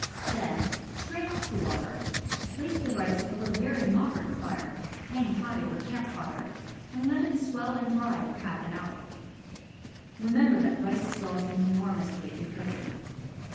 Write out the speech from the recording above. Then strain off the water, place the rice over a very moderate fire (hang high over camp fire), and let it swell and dry for half an hour. Remember that rice swells enormously in cooking.